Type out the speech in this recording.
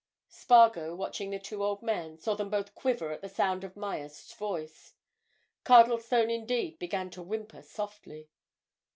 Spargo, watching the two old men, saw them both quiver at the sound of Myerst's voice; Cardlestone indeed, began to whimper softly.